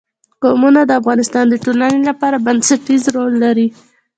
قومونه د افغانستان د ټولنې لپاره بنسټيز رول لري.